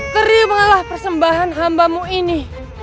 terimalah persembahan hambamu ini